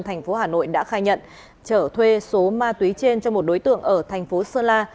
thành phố hà nội đã khai nhận trở thuê số ma túy trên cho một đối tượng ở thành phố sơn la